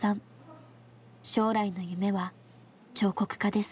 将来の夢は彫刻家です。